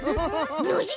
ノジ？